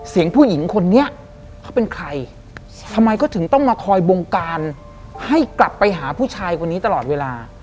ผู้หญิงคนนี้เขาเป็นใครทำไมเขาถึงต้องมาคอยบงการให้กลับไปหาผู้ชายคนนี้ตลอดเวลา